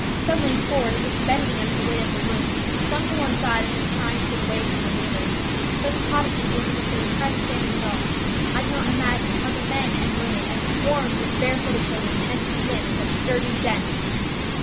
Some lean forward, as if bending under the weight of their roofs; some to one side, as if trying to get away from their neighbours; some cottages look as if they were tired of standing at all. I cannot imagine how the men and women, and swarms of bare footed children, manage to live in such dirty dens."